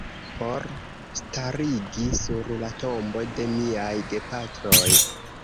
Por starigi sur la tombo de miaj gepatroj.